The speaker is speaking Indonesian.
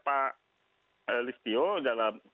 pak listio dalam